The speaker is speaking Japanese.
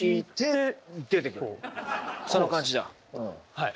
はい。